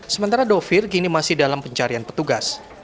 sementara dovir kini masih dalam pencarian petugas